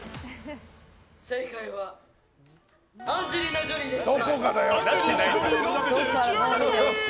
正解はアンジェリーナ・ジョリーでした。